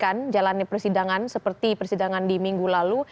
yang mengamankan jalan persidangan seperti persidangan di minggu lalu